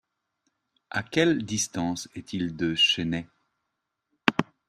À quelle distance est-il de Chennai ?